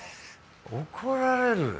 怒られる。